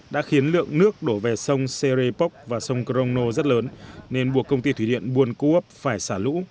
đã khiến lượng nước đổ về sông serepok và sông crono rất lớn nên buộc công ty thủy điện buôn cốp phải xả lũ